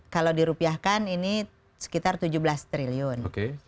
kalau dirupiahkan ini sekitar tujuh belas triliun